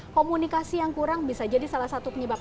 komunikasi yang kurang bisa jadi salah satu penyebab